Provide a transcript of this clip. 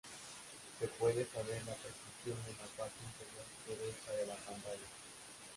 Se puede saber la precisión en la parte inferior derecha de la pantalla.